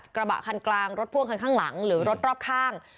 กระบะคันกลางรถพ่วงคันข้างหลังหรือรถรอบข้าง